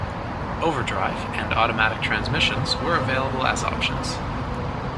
Overdrive and automatic transmissions were available as options.